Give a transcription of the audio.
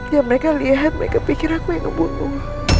yang mereka lihat mereka pikir aku yang ngebunuh